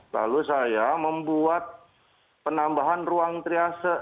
lalu saya membuat penambahan ruang triase